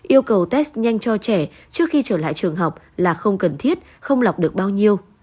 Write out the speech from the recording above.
yêu cầu test nhanh cho trẻ trước khi trở lại trường học là không cần thiết không lọc được bao nhiêu